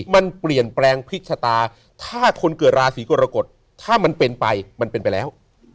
มันเปลี่ยนแปลงพลิกชะตาถ้าคนเกิดราศีกรกฎถ้ามันเป็นไปมันเป็นไปแล้ว